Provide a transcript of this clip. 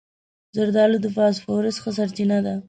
زردالو د فاسفورس ښه سرچینه ده.